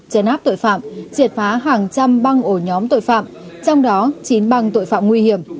chấn áp tội phạm triệt phá hàng trăm băng ổ nhóm tội phạm trong đó chín băng tội phạm nguy hiểm